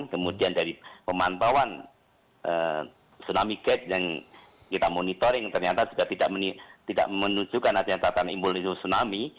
kemudian dari pemantauan tsunami gate yang kita monitoring ternyata sudah tidak menunjukkan asetatan imunisun tsunami